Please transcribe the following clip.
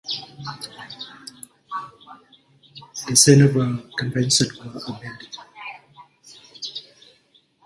The Geneva Convention was amended.